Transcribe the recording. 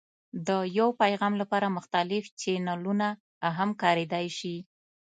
د یو پیغام لپاره مختلف چینلونه هم کارېدای شي.